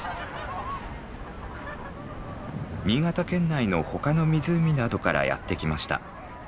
新潟県内の他の湖などからやって来ました。